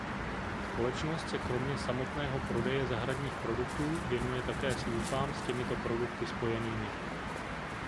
Společnost se kromě samotného prodeje zahradních produktů věnuje také službám s těmito produkty spojenými.